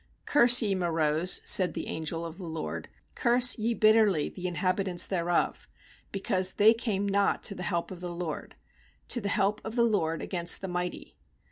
251 Curse ye Meroz', said the angel of the LORD, 'Curse ye bitterly the inhabitants thereof, Because they came not to the help of the LORD, To the help of the LORD against the mighty.'